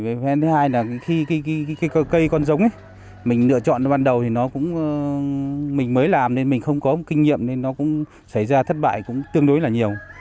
về phần thứ hai là khi cây còn giống mình lựa chọn ban đầu thì nó cũng mình mới làm nên mình không có kinh nghiệm nên nó cũng xảy ra thất bại cũng tương đối là nhiều